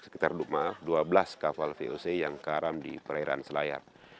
sekitar dua belas kapal voc yang karam di perairan selayar